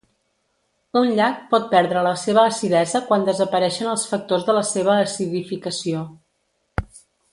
Un llac pot perdre la seva acidesa quan desapareixen els factors de la seva acidificació.